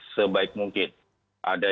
sebaik mungkin ada